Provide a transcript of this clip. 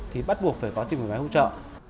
thì bắt buộc phải có tim phổi máy hỗ trợ